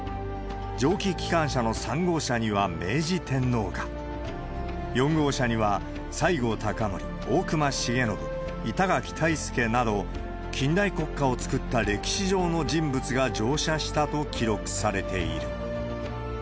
蒸気機関車の３号車には明治天皇が、４号車には西郷隆盛、大隈重信、板垣退助など、近代国家を作った歴史上の人物が乗車したと記録されている。